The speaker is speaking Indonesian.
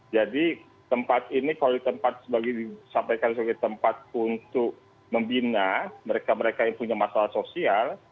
jadi tempat ini kalau di tempat sebagai disampaikan sebagai tempat untuk membina mereka mereka yang punya masalah sosial